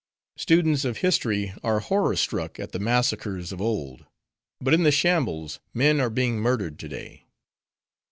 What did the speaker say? "Students of history are horror struck at the massacres of old; but in the shambles, men are being murdered to day.